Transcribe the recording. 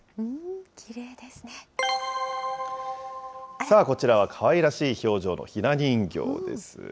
さあ、こちらはかわいらしい表情のひな人形です。